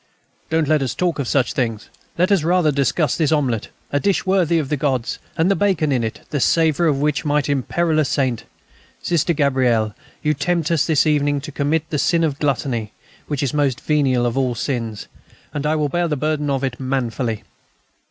"don't let us talk of such things. Let us rather discuss this omelette, a dish worthy of the gods, and the bacon in it, the savour of which might imperil a saint. Sister Gabrielle, you tempt us this evening to commit the sin of gluttony, which is the most venial of all sins. And I will bear the burden of it manfully."